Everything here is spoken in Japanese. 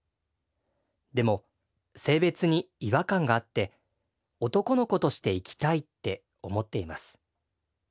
でも性別に違和感があって男の子として生きたいって思っています。